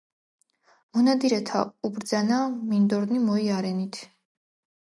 მონადირეთა უბრძანა მინდორნი მოიარენით